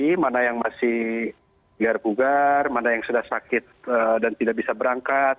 karena itu mana yang masih biar bugar mana yang sudah sakit dan tidak bisa berangkat